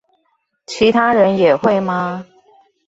其他人也會嗎？